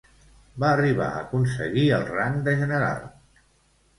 Va arribar a aconseguir el rang de general.